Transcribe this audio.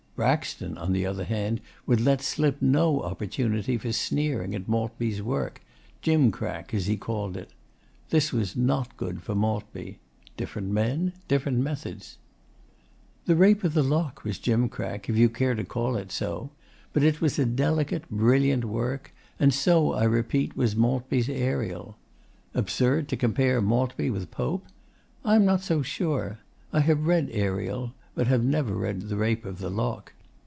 Braxton, on the other hand, would let slip no opportunity for sneering at Maltby's work 'gimcrack,' as he called it. This was not good for Maltby. Different men, different methods. 'The Rape of the Lock' was 'gimcrack,' if you care to call it so; but it was a delicate, brilliant work; and so, I repeat, was Maltby's 'Ariel.' Absurd to compare Maltby with Pope? I am not so sure. I have read 'Ariel,' but have never read 'The Rape of the Lock.